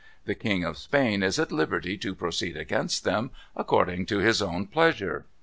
The King of Spain is at liberty to proceed against them according to his own pleasure."